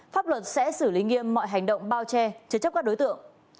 pháp luật sẽ xử lý nghiêm mọi hành động bao che chế chấp các đối tượng